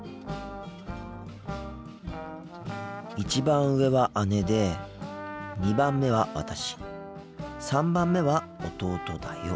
１番上は姉で２番目は私３番目は弟だよ。